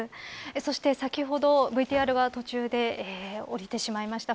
そして、先ほどＶＴＲが途中で降りてしまいました。